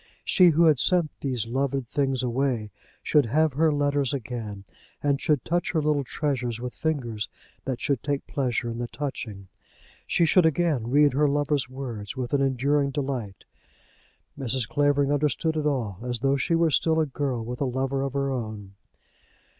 She, who had sent these loved things away, should have her letters again, and should touch her little treasures with fingers that should take pleasure in the touching. She should again read her lover's words with an enduring delight. Mrs. Clavering understood it all, as though she also were still a girl with a lover of her own.